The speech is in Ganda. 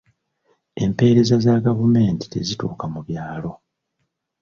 Empeereza za gavumenti tezituuka mu byalo.